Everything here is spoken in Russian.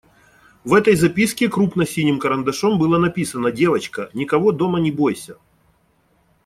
В этой записке крупно синим карандашом было написано: «Девочка, никого дома не бойся.»